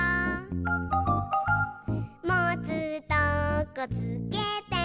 「もつとこつけて」